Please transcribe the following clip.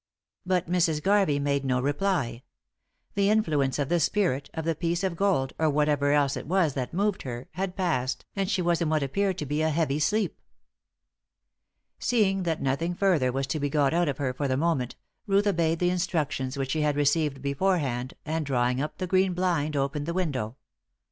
But Mrs. Garvey made no reply. The influence of the spirit, of the piece of gold, or whatever else it was that moved her, had passed, and she was in what appeared to be a heavy sleep. Seeing that nothing further was to be got out of her for the moment, Ruth obeyed the instructions which she had received beforehand, and drawing up the green blind, opened the window.